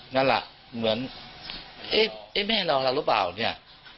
นั่นล่ะเหมือนแม่นอนหรือเปล่าเนี่ย